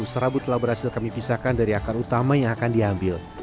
serabut telah berhasil kami pisahkan dari akar utama yang akan diambil